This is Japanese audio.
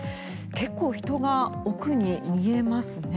結構、人が奥に見えますね。